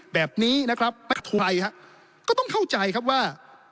แบบนี้นะครับแบ็คโทยก็ต้องเข้าใจครับว่า